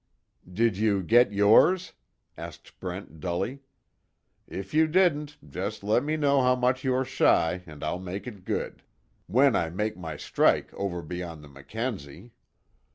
"Did you get yours?" asked Brent dully. "If you didn't, just let me know how much you are shy, and I'll make it good when I make my strike, over beyond the Mackenzie."